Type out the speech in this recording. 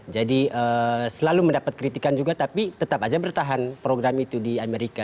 jadi selalu mendapat kritikan juga tapi tetap aja bertahan program itu di amerika